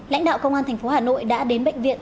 lãnh đạo công an thành phố hà nội đã đến bệnh viện